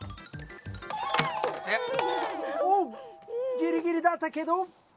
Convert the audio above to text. ギリギリだったけどひなポン！